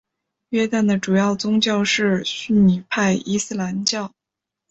约旦的主要宗教是逊尼派伊斯兰教。